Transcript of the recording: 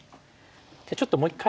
じゃあちょっともう一回。